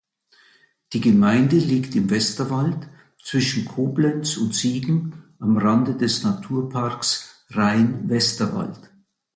Die Gemeinde liegt im Westerwald zwischen Koblenz und Siegen am Rande des Naturparks Rhein-Westerwald.